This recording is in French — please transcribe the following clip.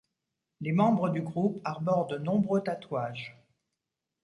Les membres du groupe arborent de nombreux tatouages.